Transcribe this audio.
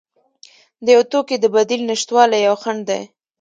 د یو توکي د بدیل نشتوالی یو خنډ دی.